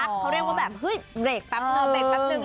พักเขาเรียกว่าแบบเฮ้ยเหลกปั๊บนึง